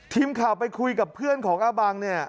ทีมข่าวไปคุยกับเพื่อนของอาบังเนี่ย